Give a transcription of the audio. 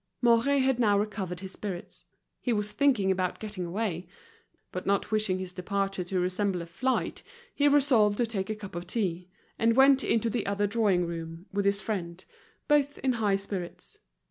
Mouret had now recovered his spirits. He was thinking about getting away; but not wishing his departure to resemble a flight he resolved to take a cup of tea, and went into the other drawing room with his friend, both in high spirits.